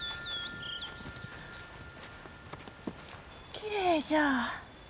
きれいじゃ。